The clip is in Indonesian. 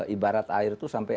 ibarat air itu sampai